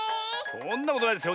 そんなことないですよ。